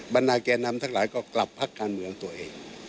บรรดาแก่นำทั้งหลายก็กลับพักการเมืองตัวเอง